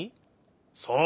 そう。